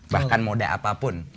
bahkan moda apapun